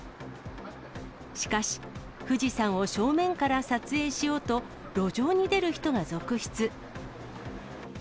しかし、富士山を正面から撮影しようと、路上に出る人が続出。